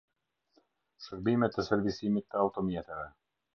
Shërbime të servisimit të automjeteve.